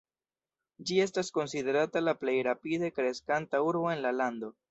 Ĝi estas konsiderata la plej rapide kreskanta urbo en la lando.